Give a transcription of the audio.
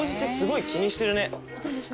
私ですか？